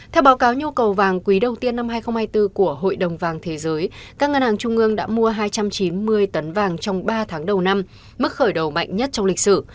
theo báo cáo nhu cầu vàng quý đầu tiên năm hai nghìn hai mươi bốn của hội đồng vàng thế giới các ngân hàng trung ương đã mua hai trăm chín mươi tấn vàng trong ba tháng đầu năm mức khởi đầu mạnh nhất trong lịch sử